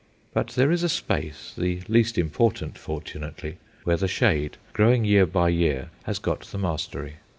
But there is a space, the least important fortunately, where the shade, growing year by year, has got the mastery.